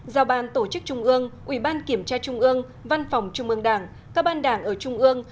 giao ban tổ chức trung ương ủy ban kiểm tra trung ương văn phòng trung ương đảng các ban đảng ở trung ương